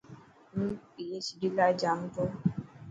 هون PHD لاءِ جائون تو.